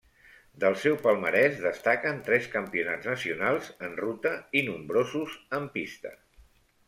Del seu palmarès destaquen tres campionats nacionals en ruta i nombrosos en pista.